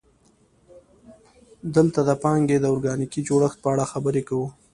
دلته د پانګې د ارګانیکي جوړښت په اړه خبرې کوو